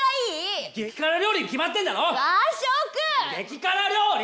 激辛料理！